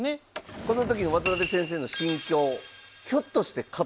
この時の渡辺先生の心境。